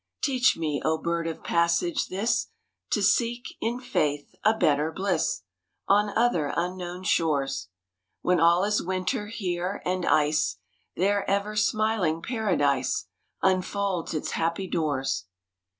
Teach me, O bird of passage, this, To seek, in faith a better bliss On other unknown shores! When all is winter here and ice, There ever smiling Paradise Unfolds its happy doors.